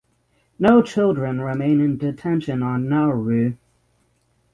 No children remain in detention on Nauru.